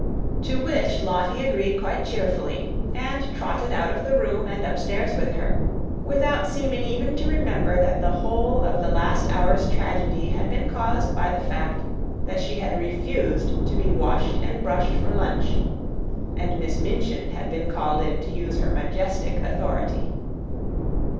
To which Lottie agreed quite cheerfully, and trotted out of the room and upstairs with her, without seeming even to remember that the whole of the last hour's tragedy had been caused by the fact that she had refused to be washed and brushed for lunch and Miss Minchin had been called in to use her majestic authority.